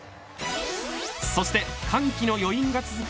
そして歓喜の余韻が続く